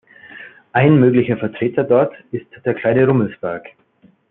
Ein möglicher Vertreter dort ist der Kleine Rummelsberg.